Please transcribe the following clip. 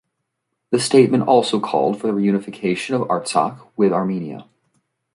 The statement also called for the reunification of Artsakh with Armenia.